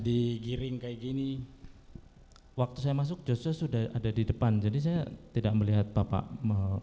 digiring kayak gini waktu saya masuk joshua sudah ada di depan jadi saya tidak melihat bapak mau